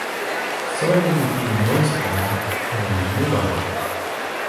soweli li pilin monsuta la, ona li mu wawa.